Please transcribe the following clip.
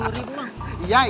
lima puluh ribu bang